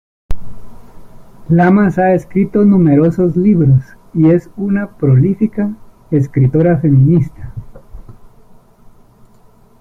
Lamas ha escrito numerosos libros y es una prolífica escritora feminista.